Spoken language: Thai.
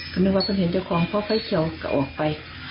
ก็นึกว่าคนเห็นเจ้าของเพราะไฟเขียวก็ออกไป